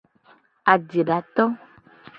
Ajedato.